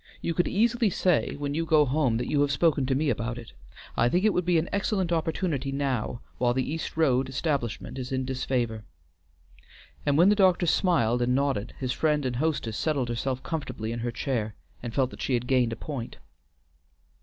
You could easily say when you go home that you have spoken to me about it. I think it would be an excellent opportunity now, while the East Road establishment is in disfavor," and when the doctor smiled and nodded, his friend and hostess settled herself comfortably in her chair, and felt that she had gained a point.